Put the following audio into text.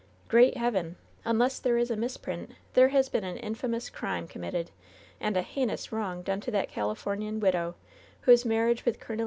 Great Heaven! unless there is a misprint, there has been an infamous crime committed, and a heinous wrong done to that Califor nian widow, whose marriage with Col.